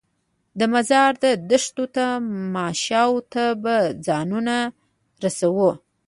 د مزار د دښتو تماشو ته به ځانونه رسوو.